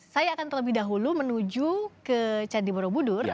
saya akan terlebih dahulu menuju ke candi borobudur